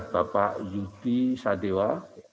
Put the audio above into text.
bapak yudi sadewa